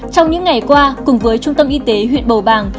trong những ngày qua cùng với trung tâm y tế huyện bầu bàng